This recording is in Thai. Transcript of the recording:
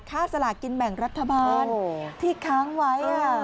สลากินแบ่งรัฐบาลที่ค้างไว้